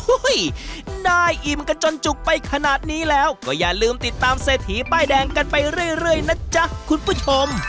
ได้อิ่มกันจนจุกไปขนาดนี้แล้วก็อย่าลืมติดตามเศรษฐีป้ายแดงกันไปเรื่อยนะจ๊ะคุณผู้ชม